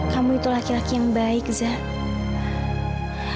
kamu itu laki laki yang baik zah